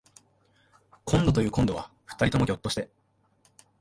こんどというこんどは二人ともぎょっとして